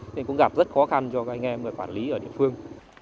nên cũng gặp rất khó khăn cho anh em và quản lý ở địa phương